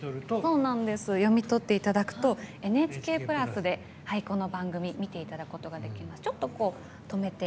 読み取っていただくとＮＨＫプラスでこの番組、見ていただくことができます。